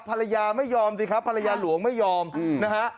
ภรรยาไม่ยอมสิครับภรรยาหลวงไม่ยอมนะฮะ